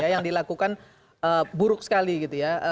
yang dilakukan buruk sekali gitu ya